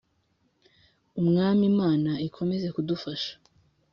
Umwami Imana ikomeze kudufasha.